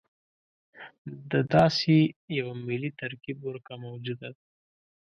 د داسې یوه ملي ترکیب ورکه موجوده ده.